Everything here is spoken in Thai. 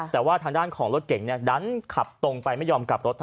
แต่ว่าทางด้านของรถเก่งดันขับตรงไปไม่ยอมกลับรถ